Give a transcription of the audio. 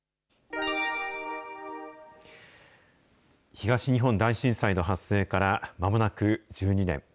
東日本大震災の発生からまもなく１２年。